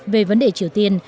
về vấn đề triều tiên